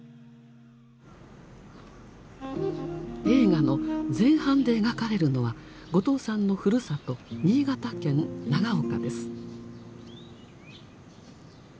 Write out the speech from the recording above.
映画の前半で描かれるのは後藤さんのふるさと新潟県長岡です。